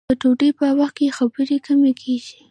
د ډوډۍ په وخت کې خبرې کمې کیږي.